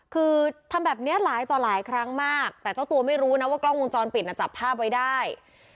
คือทำแบบนี้หลายต่อหลายครั้งมากแต่เจ้าตัวไม่รู้นะว่ากล้องวงจรปิดน่ะจับภาพไว้ได้